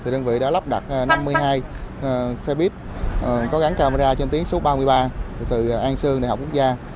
đơn vị đã lắp đặt năm mươi hai xe buýt có gắn camera trên tuyến số ba mươi ba từ an sương đại học quốc gia